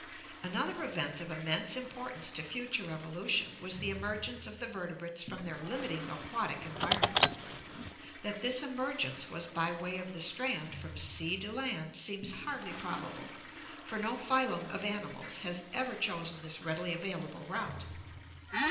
Another event of immense importance to future evolution was the emergence of the vertebrates from their limiting aquatic en vironment. That this emergence was by way of the strand from sea to land seems hardly probable, for no phylum of animals has ever chosen this readily available route.